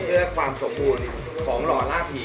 เพื่อความสมบูรณ์ของหล่อล่าผี